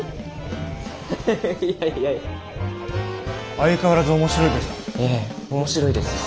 相変わらず面白いですか？